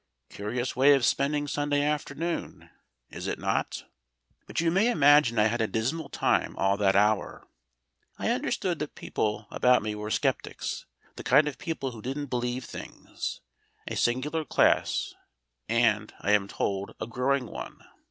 Curious way of spending Sunday afternoon, is it not? But you may imagine I had a dismal time all that hour. I understood the people about me were Sceptics, the kind of people who don't believe things a singular class, and, I am told, a growing one.